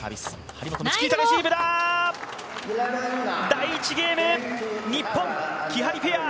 第１ゲーム、日本きはりペア！